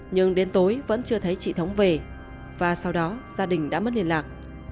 nhưng đến tối vẫn chưa thấy chị thống về và sau đó gia đình đã mất liên lạc